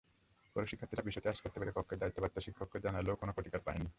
পরে শিক্ষার্থীরা বিষয়টি আঁচ করতে পেরে কক্ষের দায়িত্বপ্রাপ্ত শিক্ষককে জানালেও কোনো প্রতিকার পায়নি।